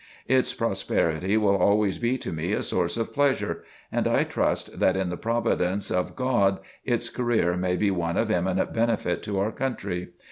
Its prosperity will always be to me a source of pleasure, and I trust that in the Providence of God its career may be one of eminent benefit to our country.